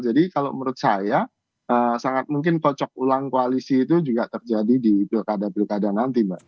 kalau menurut saya sangat mungkin kocok ulang koalisi itu juga terjadi di pilkada pilkada nanti mbak